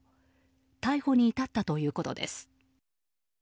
逮捕に至ったということです。